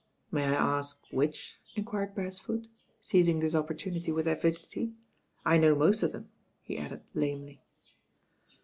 "May I ask which?" inquired Beresford, seiz ing this opportunity with avidity. "I know most of them," he added lamely.